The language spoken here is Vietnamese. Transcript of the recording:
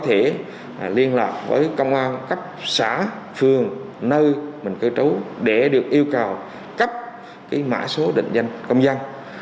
thể liên lạc với công an cấp xã phường nơi mình cư trú để được yêu cầu cấp mã số định danh công dân